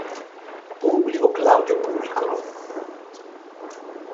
Publio Claudio Pulcro